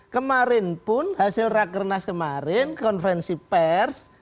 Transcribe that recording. kemarin pun hasil rakernas kemarin konferensi pers